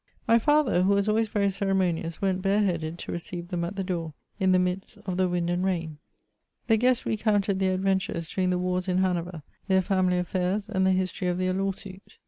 My father, who was always very ceremonious, went bare headed to receive them at the door, in the midst of the wind and rain. The guests recounted their adventures during the wars in Hanover, their family affairs, and the history of their law suit.